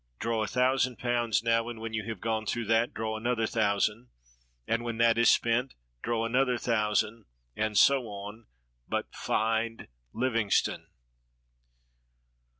Draw a thou sand pounds now ; and when you have gone through that draw another thousand, and when that is spent, draw another thousand, and so on; but find Livingstone."